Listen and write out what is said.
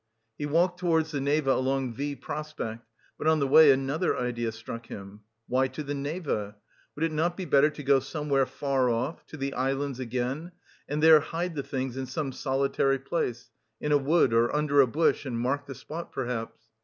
He walked towards the Neva along V Prospect, but on the way another idea struck him. "Why to the Neva? Would it not be better to go somewhere far off, to the Islands again, and there hide the things in some solitary place, in a wood or under a bush, and mark the spot perhaps?"